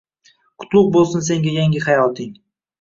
Qutlug’ bo’lsin senga yangi hayoting.